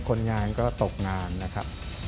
คนงานก็ตกงานนะครับ